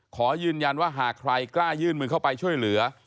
ขอยืนยันว่าหากใครกล้ายื่นมือเข้าไปช่วยเหลือ